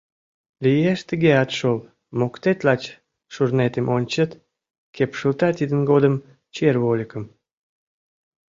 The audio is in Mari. Лиеш тыгеат шол: моктет лач шурнетым Ончет, кепшылта тидын годым чер вольыкым.